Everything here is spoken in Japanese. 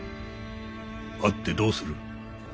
会ってどうする？